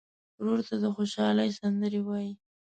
ورور ته د خوشحالۍ سندرې وایې.